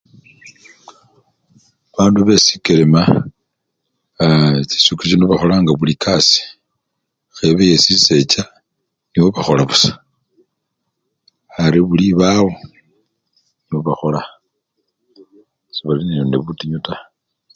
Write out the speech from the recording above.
Bandu besikelema aa chisiku chino bakholanga bulikasii, khebe yesisecha nibo bakhola busa, ari buli ibawo nibo bakhola, sebali nende butinyu taa.